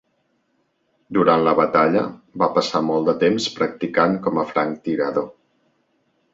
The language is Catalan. Durant la batalla, va passar molt de temps practicant com a franctirador.